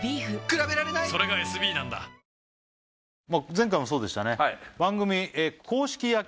前回もそうでしたね